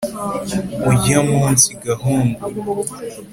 urya munsi gahungu